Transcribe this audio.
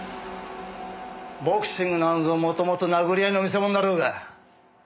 ボクシングなんぞもともと殴り合いの見世物だろうが。